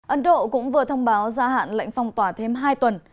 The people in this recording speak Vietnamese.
ấn độ cũng vừa thông báo gia hạn lệnh phong tỏa thêm hai tuần